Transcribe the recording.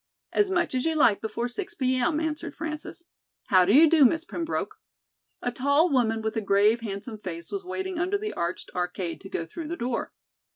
"As much as you like before six P. M.," answered Frances. "How do you do, Miss Pembroke?" A tall woman with a grave, handsome face was waiting under the arched arcade to go through the door.